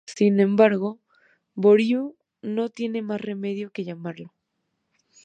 Sin embargo, Bureau no tiene más remedio que llamarlo.